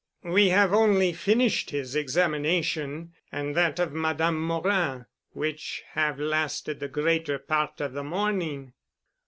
We have only finished his examination and that of Madame Morin, which have lasted the greater part of the morning.